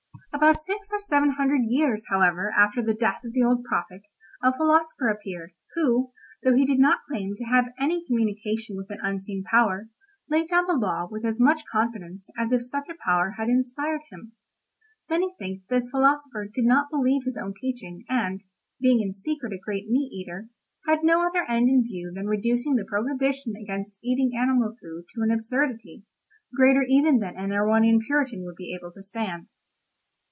About six or seven hundred years, however, after the death of the old prophet, a philosopher appeared, who, though he did not claim to have any communication with an unseen power, laid down the law with as much confidence as if such a power had inspired him. Many think that this philosopher did not believe his own teaching, and, being in secret a great meat eater, had no other end in view than reducing the prohibition against eating animal food to an absurdity, greater even than an Erewhonian Puritan would be able to stand.